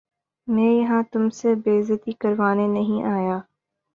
میں یہاں تم سے بے عزتی کروانے نہیں آیا